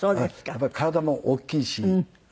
やっぱり体も大きいし。